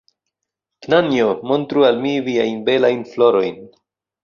Knanjo! Montru al mi viajn belajn florojn!